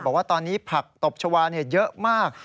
บอกว่าตอนนี้ผักตบชาวาเยอะมาก